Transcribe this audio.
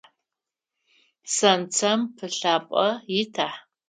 Сенцэм пылъапӏэ ита?